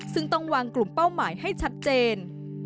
ซึ่งต้องวางกลุ่มเป้าหมายให้ชัดเจน